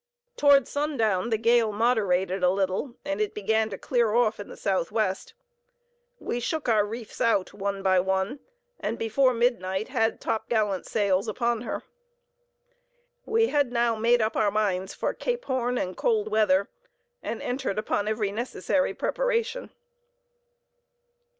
Toward sundown the gale moderated a little, and it began to clear off in the southwest. We shook our reefs out, one by one, and before midnight had topgallant sails upon her. We had now made up our minds for Cape Horn and cold weather, and entered upon every necessary preparation.